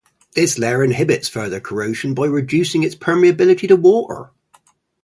This layer inhibits further corrosion by reducing its permeability to water.